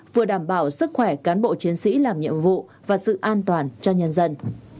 vừa đảm bảo sức khỏe cán bộ chiến sĩ làm nhiệm vụ và sự an toàn cho nhân dân